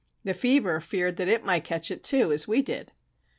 The fever feared that it might catch it too, as we did!"